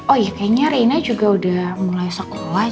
oh iya kayaknya reina juga udah mulai sekolah